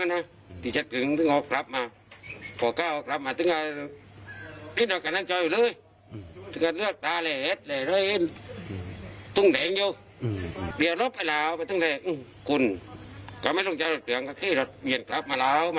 หมี่พอมันต้องบอกเขาก่อกฐู่บุญยาย